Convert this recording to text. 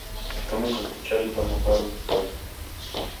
Se come con cuchara y pan mojado en el caldo.